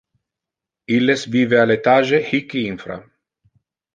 Illes vive al etage hic infra.